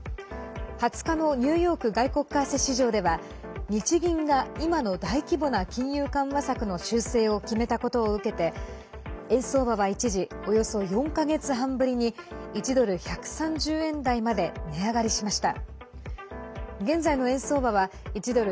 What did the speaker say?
２０日のニューヨーク外国為替市場では日銀が今の大規模な金融緩和策の修正を決めたことを受けて円相場は一時およそ４か月半ぶりに１ドル＝１３０円台まで値上がりました。